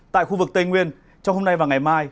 tại khu vực tây nguyên trong hôm nay và ngày mai